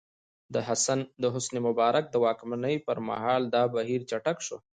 د حسن مبارک د واکمنۍ پر مهال دا بهیر چټک شو.